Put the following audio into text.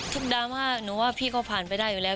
ดราม่าหนูว่าพี่ก็ผ่านไปได้อยู่แล้ว